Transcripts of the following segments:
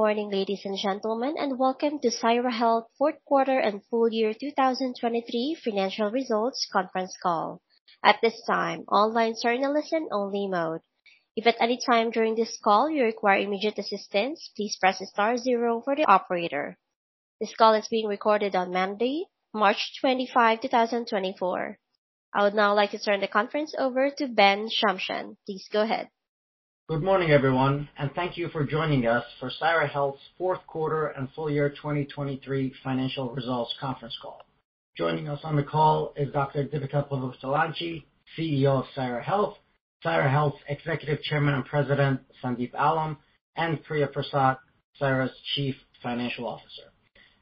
Good morning, ladies and gentlemen, and welcome to Syra Health Fourth Quarter and Full Year 2023 Financial Results Conference Call. At this time, all lines are in a listen-only mode. If at any time during this call you require immediate assistance, please press star zero for the operator. This call is being recorded on Monday, March 25, 2024. I would now like to turn the conference over to Ben Shamsian. Please go ahead. Good morning, everyone, and thank you for joining us for Syra Health's fourth quarter and full year 2023 financial results conference call. Joining us on the call is Dr. Deepika Vuppalanchi, CEO of Syra Health, Syra Health's Executive Chairman and President, Sandeep Allam, and Priya Prasad, Syra's Chief Financial Officer.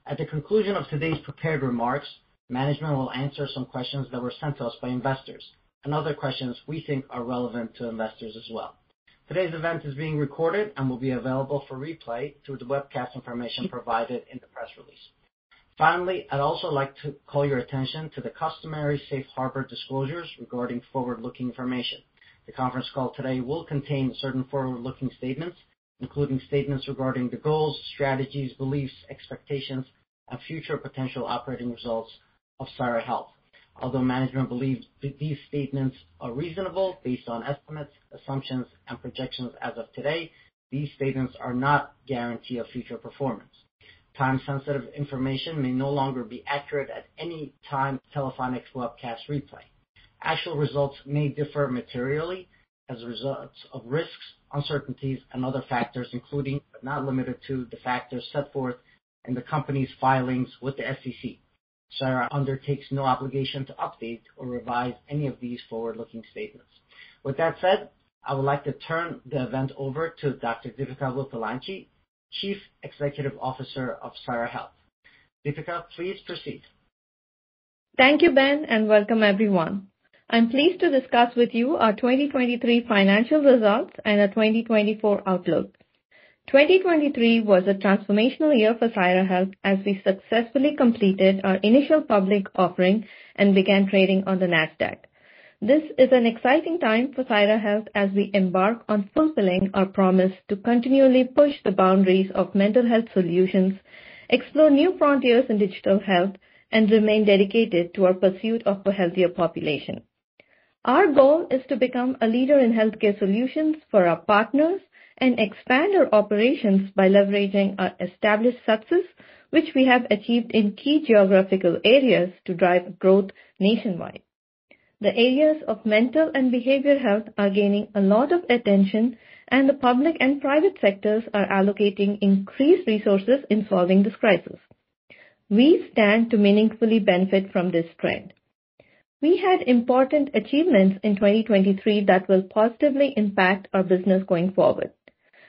At the conclusion of today's prepared remarks, management will answer some questions that were sent to us by investors and other questions we think are relevant to investors as well. Today's event is being recorded and will be available for replay through the webcast information provided in the press release. Finally, I'd also like to call your attention to the customary safe harbor disclosures regarding forward-looking information. The conference call today will contain certain forward-looking statements, including statements regarding the goals, strategies, beliefs, expectations, and future potential operating results of Syra Health. Although management believes that these statements are reasonable, based on estimates, assumptions, and projections as of today, these statements are not a guarantee of future performance. Time-sensitive information may no longer be accurate at any time after the telephonic webcast replay. Actual results may differ materially as a result of risks, uncertainties, and other factors, including, but not limited to, the factors set forth in the company's filings with the SEC. Syra undertakes no obligation to update or revise any of these forward-looking statements. With that said, I would like to turn the event over to Dr. Deepika Vuppalanchi, Chief Executive Officer of Syra Health. Deepika, please proceed. Thank you, Ben, and welcome everyone. I'm pleased to discuss with you our 2023 financial results and our 2024 outlook. 2023 was a transformational year for Syra Health as we successfully completed our initial public offering and began trading on the Nasdaq. This is an exciting time for Syra Health as we embark on fulfilling our promise to continually push the boundaries of mental health solutions, explore new frontiers in digital health, and remain dedicated to our pursuit of a healthier population. Our goal is to become a leader in healthcare solutions for our partners and expand our operations by leveraging our established success, which we have achieved in key geographical areas to drive growth nationwide. The areas of mental and behavioral health are gaining a lot of attention, and the public and private sectors are allocating increased resources in solving this crisis. We stand to meaningfully benefit from this trend. We had important achievements in 2023 that will positively impact our business going forward.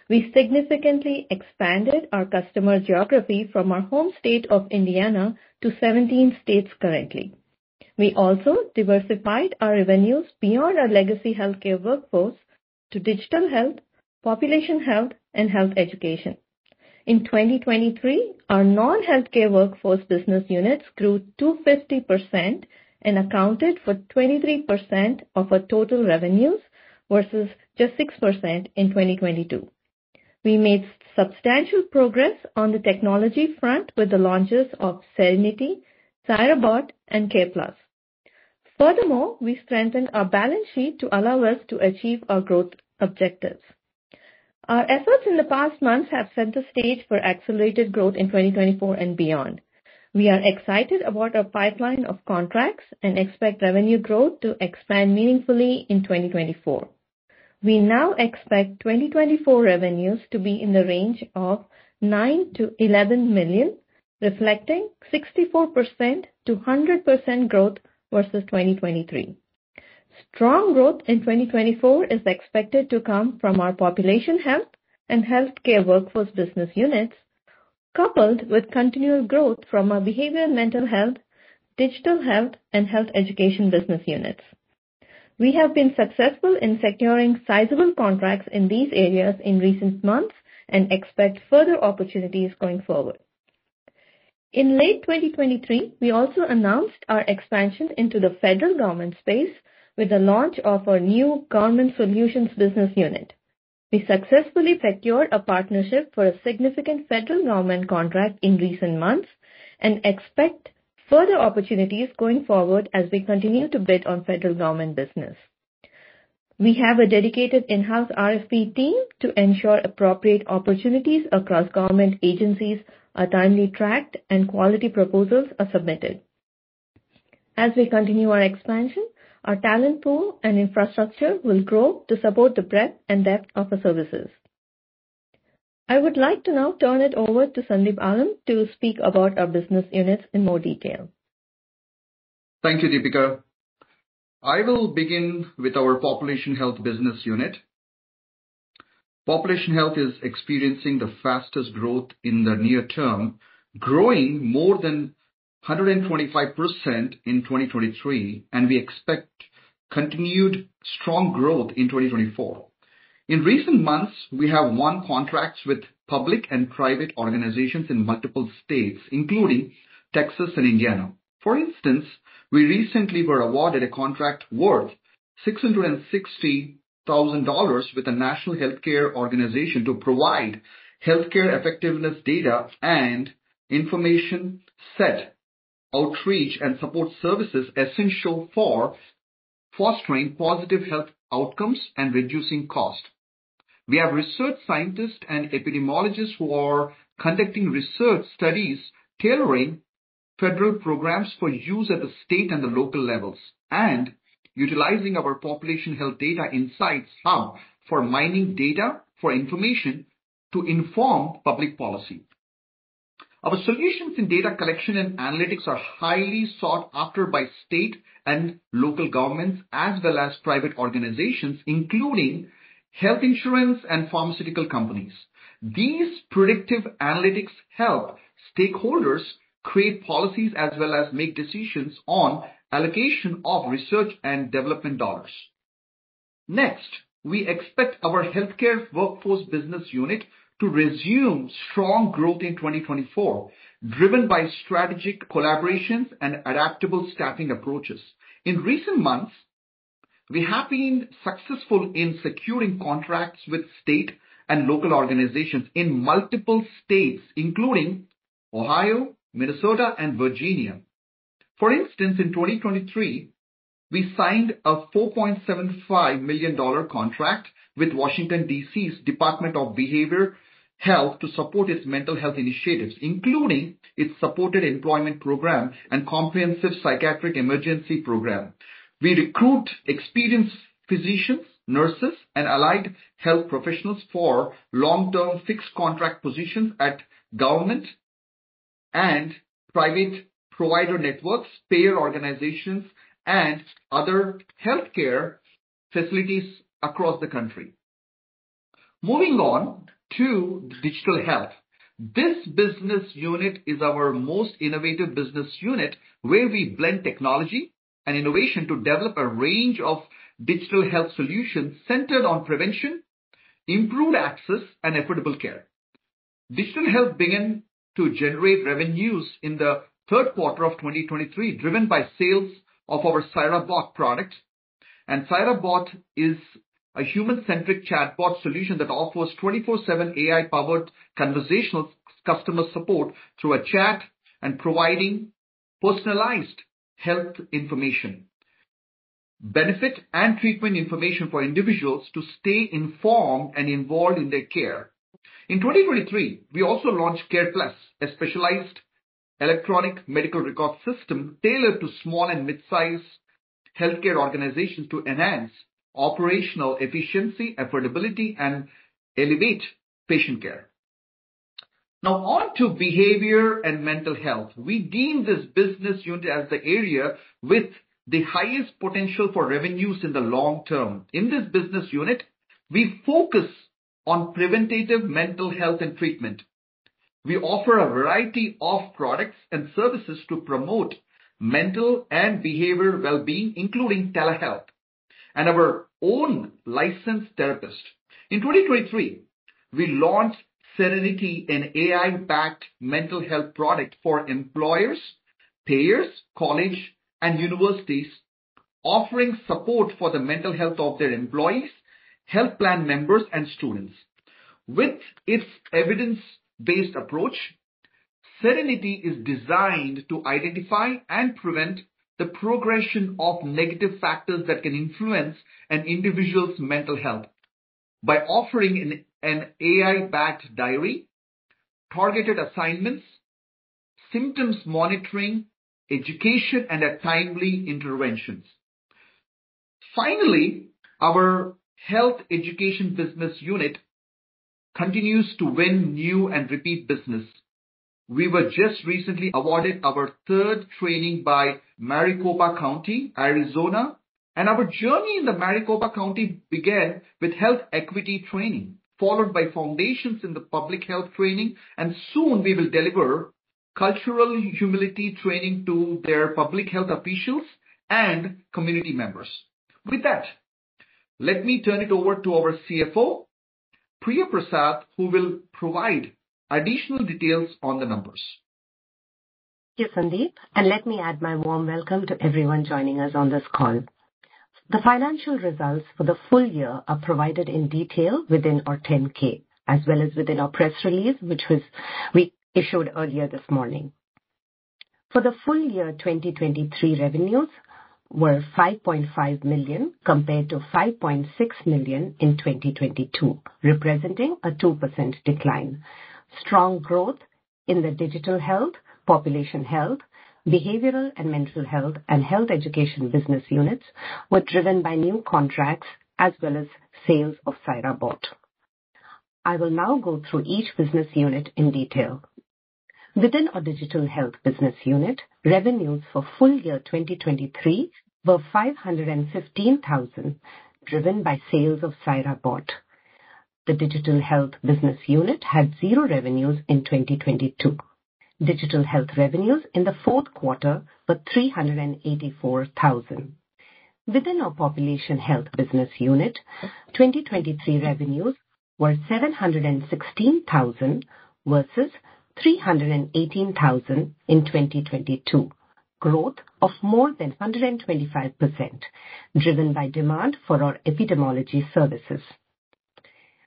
We significantly expanded our customer geography from our home state of Indiana to 17 states currently. We also diversified our revenues beyond our legacy healthcare workforce to digital health, population health, and health education. In 2023, our non-healthcare workforce business units grew 250% and accounted for 23% of our total revenues, versus just 6% in 2022. We made substantial progress on the technology front with the launches of Syrenity, SyraBot, and CarePlus. Furthermore, we strengthened our balance sheet to allow us to achieve our growth objectives. Our efforts in the past months have set the stage for accelerated growth in 2024 and beyond. We are excited about our pipeline of contracts and expect revenue growth to expand meaningfully in 2024. We now expect 2024 revenues to be in the range of $9 million-$11 million, reflecting 64%-100% growth versus 2023. Strong growth in 2024 is expected to come from our population health and healthcare workforce business units, coupled with continual growth from our behavioral and mental health, digital health, and health education business units. We have been successful in securing sizable contracts in these areas in recent months and expect further opportunities going forward. In late 2023, we also announced our expansion into the federal government space with the launch of our new government solutions business unit. We successfully secured a partnership for a significant federal government contract in recent months and expect further opportunities going forward as we continue to bid on federal government business. We have a dedicated in-house RFP team to ensure appropriate opportunities across government agencies are timely tracked and quality proposals are submitted. As we continue our expansion, our talent pool and infrastructure will grow to support the breadth and depth of our services. I would like to now turn it over to Sandeep Allam to speak about our business units in more detail. Thank you, Deepika. I will begin with our population health business unit. Population Health is experiencing the fastest growth in the near term, growing more than 125% in 2023, and we expect continued strong growth in 2024. In recent months, we have won contracts with public and private organizations in multiple states, including Texas and Indiana. For instance, we recently were awarded a contract worth $660,000 with a national healthcare organization to provide federal Department of Health and Human Services outreach and support services essential for fostering positive health outcomes and reducing cost. We have research scientists and epidemiologists who are conducting research studies tailoring federal programs for use at the state and the local levels, and utilizing our Population Health Data Insights Hub for mining data, for information to inform public policy. Our solutions in data collection and analytics are highly sought after by state and local governments, as well as private organizations, including health insurance and pharmaceutical companies. These predictive analytics help stakeholders create policies as well as make decisions on allocation of research and development dollars. Next, we expect our healthcare workforce business unit to resume strong growth in 2024, driven by strategic collaborations and adaptable staffing approaches. In recent months, we have been successful in securing contracts with state and local organizations in multiple states, including Ohio, Minnesota, and Virginia. For instance, in 2023, we signed a $4.75 million contract with Washington, D.C.'s Department of Behavioral Health to support its mental health initiatives, including its Supported Employment Program and Comprehensive Psychiatric Emergency Program. We recruit experienced physicians, nurses, and allied health professionals for long-term fixed contract positions at government and private provider networks, payer organizations, and other healthcare facilities across the country. Moving on to digital health. This business unit is our most innovative business unit, where we blend technology and innovation to develop a range of digital health solutions centered on prevention, improved access, and equitable care. Digital health began to generate revenues in the third quarter of 2023, driven by sales of our SyraBot product. SyraBot is a human-centric chatbot solution that offers 24/7 AI-powered conversational customer support through a chat and providing personalized health information, benefit and treatment information for individuals to stay informed and involved in their care. In 2023, we also launched CarePlus, a specialized electronic medical record system tailored to small and mid-sized healthcare organizations to enhance operational efficiency, affordability, and elevate patient care. Now on to behavioral and mental health. We deem this business unit as the area with the highest potential for revenues in the long term. In this business unit, we focus on preventative mental health and treatment. We offer a variety of products and services to promote mental and behavioral well-being, including telehealth and our own licensed therapist. In 2023, we launched Syrenity, an AI-backed mental health product for employers, payers, college, and universities, offering support for the mental health of their employees, health plan members, and students. With its evidence-based approach, Syrenity is designed to identify and prevent the progression of negative factors that can influence an individual's mental health by offering an AI-backed diary, targeted assignments, symptoms monitoring, education, and timely interventions. Finally, our health education business unit continues to win new and repeat business. We were just recently awarded our third training by Maricopa County, Arizona, and our journey in the Maricopa County began with health equity training, followed by foundations in the public health training, and soon we will deliver cultural humility training to their public health officials and community members. With that, let me turn it over to our CFO, Priya Prasad, who will provide additional details on the numbers. Thank you, Sandeep, and let me add my warm welcome to everyone joining us on this call. The financial results for the full year are provided in detail within our 10-K, as well as within our press release, which we issued earlier this morning. For the full year, 2023 revenues were $5.5 million, compared to $5.6 million in 2022, representing a 2% decline. Strong growth in the digital health, population health, behavioral and mental health, and health education business units were driven by new contracts as well as sales of SyraBot. I will now go through each business unit in detail. Within our digital health business unit, revenues for full year 2023 were $515,000, driven by sales of SyraBot. The digital health business unit had $0 revenues in 2022. Digital health revenues in the fourth quarter were $384,000. Within our population health business unit, 2023 revenues were $716,000 versus $318,000 in 2022. Growth of more than 125%, driven by demand for our epidemiology services.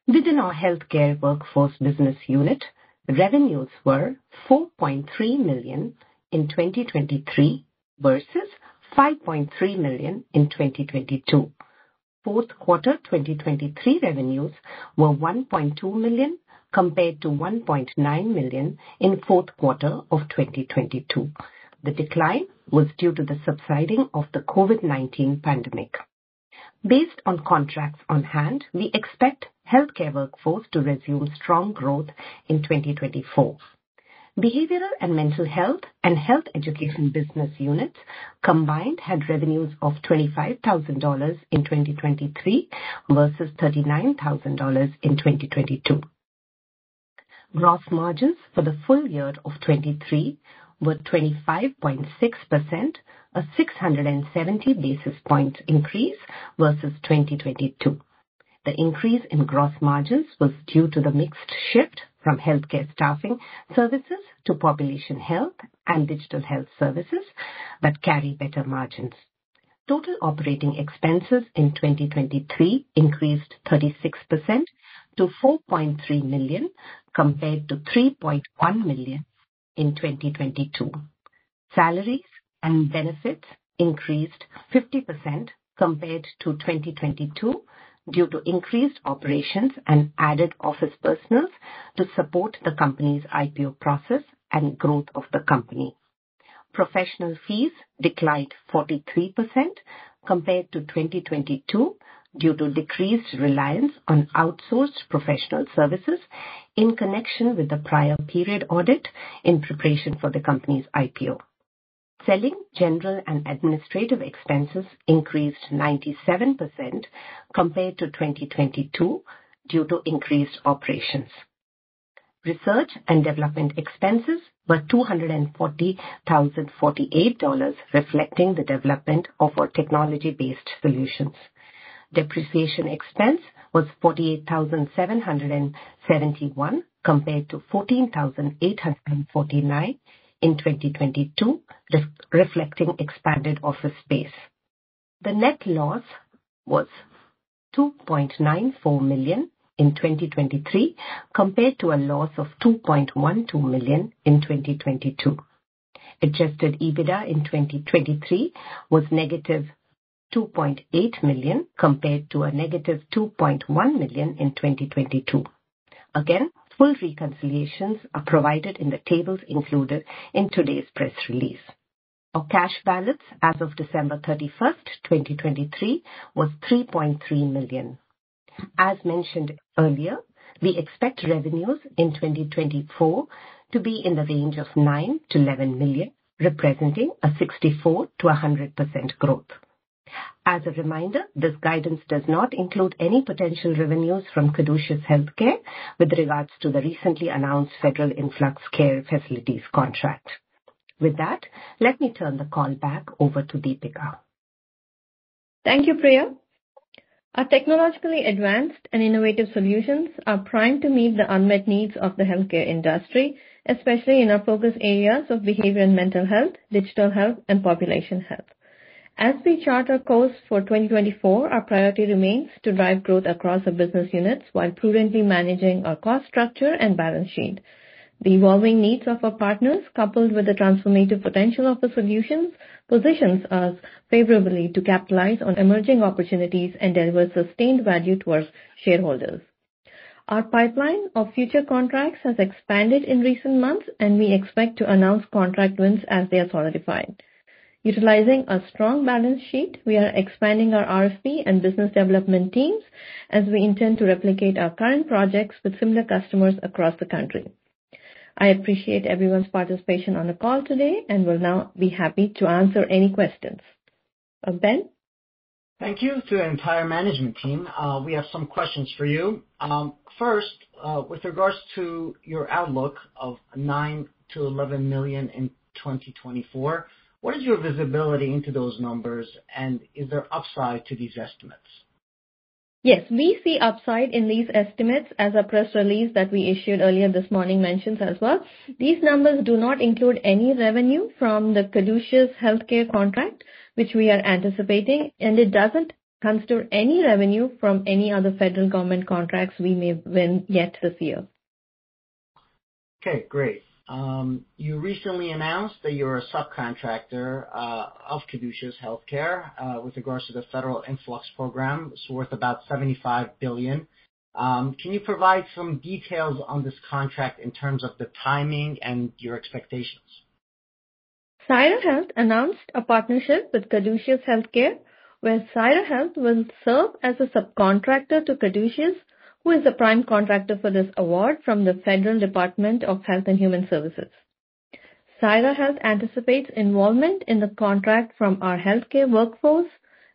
Within our healthcare workforce business unit, revenues were $4.3 million in 2023 versus $5.3 million in 2022. Fourth quarter 2023 revenues were $1.2 million compared to $1.9 million in fourth quarter of 2022. The decline was due to the subsiding of the COVID-19 pandemic. Based on contracts on hand, we expect healthcare workforce to resume strong growth in 2024. Behavioral and mental health and health education business units combined had revenues of $25,000 in 2023 versus $39,000 in 2022. Gross margins for the full year of 2023 were 25.6%, a 670 basis point increase versus 2022. The increase in gross margins was due to the mixed shift from healthcare staffing services to population health and digital health services that carry better margins. Total operating expenses in 2023 increased 36% to $4.3 million, compared to $3.1 million in 2022. Salaries and benefits increased 50% compared to 2022 due to increased operations and added office personnel to support the company's IPO process and growth of the company. Professional fees declined 43% compared to 2022, due to decreased reliance on outsourced professional services in connection with the prior period audit in preparation for the company's IPO. Selling, general and administrative expenses increased 97% compared to 2022 due to increased operations. Research and development expenses were $240,048, reflecting the development of our technology-based solutions. Depreciation expense was $48,771, compared to $14,849 in 2022, reflecting expanded office space. The net loss was $2.94 million in 2023, compared to a loss of $2.12 million in 2022. Adjusted EBITDA in 2023 was -$2.8 million, compared to -$2.1 million in 2022. Again, full reconciliations are provided in the tables included in today's press release. Our cash balance as of December 31, 2023, was $3.3 million. As mentioned earlier, we expect revenues in 2024 to be in the range of $9 million-$11 million, representing 64%-100% growth. As a reminder, this guidance does not include any potential revenues from Caduceus Healthcare with regards to the recently announced federal Influx Care Facilities contract. With that, let me turn the call back over to Deepika. Thank you, Priya. Our technologically advanced and innovative solutions are primed to meet the unmet needs of the healthcare industry, especially in our focus areas of behavior and mental health, digital health, and population health. As we chart our course for 2024, our priority remains to drive growth across our business units while prudently managing our cost structure and balance sheet. The evolving needs of our partners, coupled with the transformative potential of the solutions, positions us favorably to capitalize on emerging opportunities and deliver sustained value to our shareholders. Our pipeline of future contracts has expanded in recent months, and we expect to announce contract wins as they are solidified. Utilizing a strong balance sheet, we are expanding our RFP and business development teams as we intend to replicate our current projects with similar customers across the country. I appreciate everyone's participation on the call today and will now be happy to answer any questions. Ben? Thank you to the entire management team. We have some questions for you. First, with regards to your outlook of $9 million-$11 million in 2024, what is your visibility into those numbers, and is there upside to these estimates? Yes, we see upside in these estimates. As a press release that we issued earlier this morning mentions as well, these numbers do not include any revenue from the Caduceus Healthcare contract, which we are anticipating, and it doesn't consider any revenue from any other federal government contracts we may win yet this year. Okay, great. You recently announced that you're a subcontractor of Caduceus Healthcare with regards to the federal influx program. It's worth about $75 billion. Can you provide some details on this contract in terms of the timing and your expectations? Syra Health announced a partnership with Caduceus Healthcare, where Syra Health will serve as a subcontractor to Caduceus, who is the prime contractor for this award from the federal Department of Health and Human Services. Syra Health anticipates involvement in the contract from our healthcare workforce,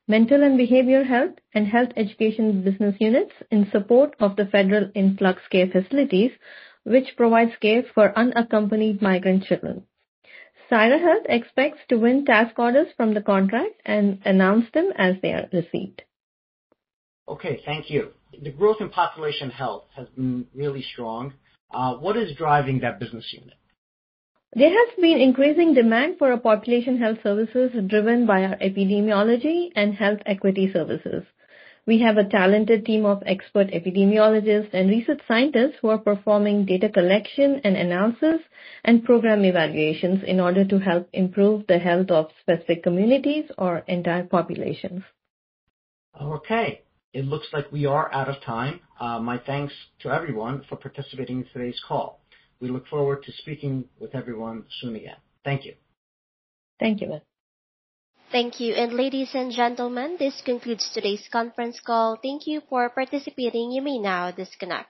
mental and behavioral health, and health education business units in support of the federal Influx Care Facilities, which provide care for unaccompanied migrant children. Syra Health expects to win task orders from the contract and announce them as they are received. Okay, thank you. The growth in population health has been really strong. What is driving that business unit? There has been increasing demand for our population health services, driven by our epidemiology and health equity services. We have a talented team of expert epidemiologists and research scientists who are performing data collection and analysis and program evaluations in order to help improve the health of specific communities or entire populations. Okay, it looks like we are out of time. My thanks to everyone for participating in today's call. We look forward to speaking with everyone soon again. Thank you. Thank you, Ben. Thank you. Ladies and gentlemen, this concludes today's conference call. Thank you for participating. You may now disconnect.